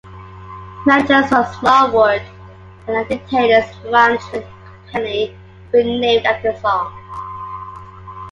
Managers Rod Smallwood and Andy Taylor's management company would be named after the song.